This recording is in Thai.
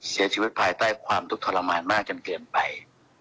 เสียชีวิตภายใต้ความทุกข์ทรมานมากจนเกินไป